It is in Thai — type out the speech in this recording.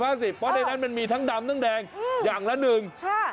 เพราะในนั้นมันมีทั้งดำทั้งแดงอย่างละหนึ่งค่ะ